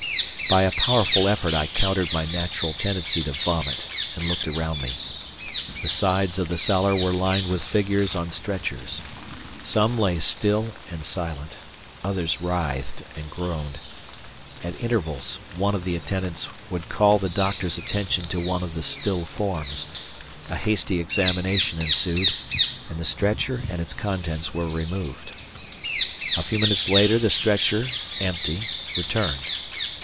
By a powerful effort I countered my natural tendency to vomit, and looked around me. The sides of the cellar were lined with figures on stretchers. Some lay still and silent, others writhed and groaned. At intervals, one of the attendants would call the doctor's attention to one of the still forms. A hasty examination ensued, and the stretcher and its contents were removed. A few minutes later the stretcher empty returned.